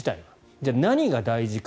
じゃあ、何が大事か。